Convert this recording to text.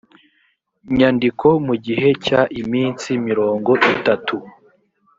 nyandiko mu gihe cy iminsi mirongo itatu